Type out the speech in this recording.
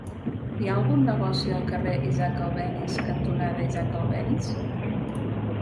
Hi ha algun negoci al carrer Isaac Albéniz cantonada Isaac Albéniz?